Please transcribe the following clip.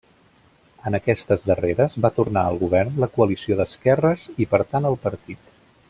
En aquestes darreres va tornar al govern la coalició d'esquerres i per tant el partit.